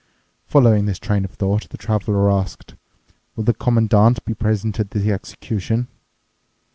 Following this train of thought, the Traveler asked, "Will the Commandant be present at the execution?"